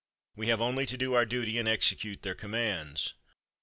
We have only to do our duty and execute their commands."